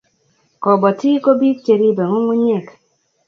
Kobotik ko biik che ribei ng'ung'unyek